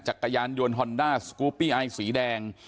จักรยานยนต์ฮอนด้าสกูปปี้ไอสีแดง